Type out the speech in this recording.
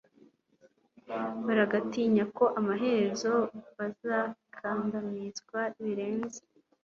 bagatinya ko amaherezo bazakandamizwa birenze